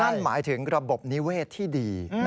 นั่นหมายถึงระบบนิเวศที่ดี